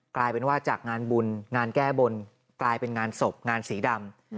กลายเป็นว่าจากงานบุญงานแก้บนกลายเป็นงานศพงานสีดำ